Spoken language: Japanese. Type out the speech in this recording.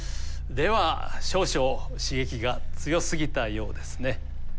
では少々刺激が強すぎたようですね。